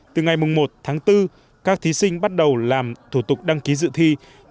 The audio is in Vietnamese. từ ngày một tháng bốn các thí sinh bắt đầu làm thủ tục đăng ký dự thi